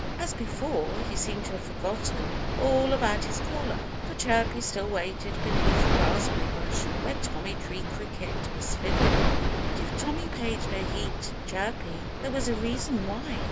As before, he seemed to have forgotten all about his caller; for Chirpy still waited beneath the raspberry bush where Tommy Tree Cricket was fiddling. But if Tommy paid no heed to Chirpy, there was a reason why.